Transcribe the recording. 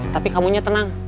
tapi kamu nya tenang